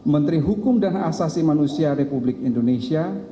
menteri hukum dan asasi manusia republik indonesia